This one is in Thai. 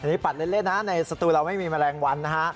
อันนี้ปัดเล่นนะในสตูเราไม่มีแมลงวันนะฮะ